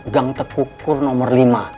gang tekukur nomor lima